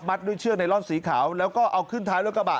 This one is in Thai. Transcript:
ด้วยเชือกไนลอนสีขาวแล้วก็เอาขึ้นท้ายรถกระบะ